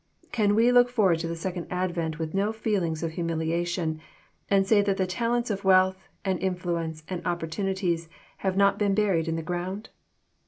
Can we look forward to the Second Advent with no feelings of humiliation, and Bay that the talents of wealth, and infiuence, and oppor tunities have not been buried in the ground?"